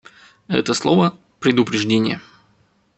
Это слово — «предупреждение».